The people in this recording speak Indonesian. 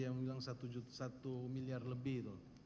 yang bilang satu miliar lebih itu